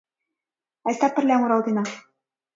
— Айста пырля муралтена!